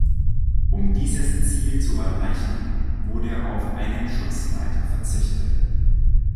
Um dieses Ziel zu erreichen, wurde auf einen Schutzleiter verzichtet.